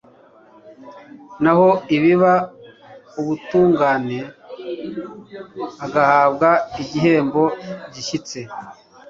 naho ubiba ubutungane agahabwa igihembo gishyitse